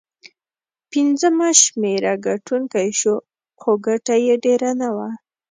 پنځمه شمېره ګټونکی شو، خو ګټه یې ډېره نه وه.